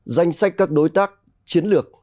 danh sách các đối tác chiến lược